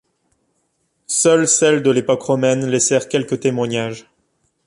Seules celles de l'époque romaine laissèrent quelques témoignages.